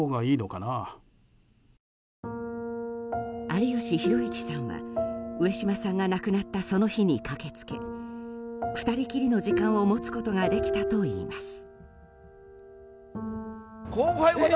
有吉弘行さんは、上島さんが亡くなったその日に駆けつけ２人きりの時間を持つことができたといいます。